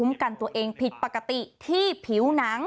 กันตัวเองผิดปกติที่ผิวหนัง